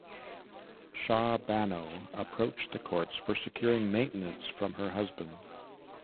Shah Bano approached the courts for securing maintenance from her husband.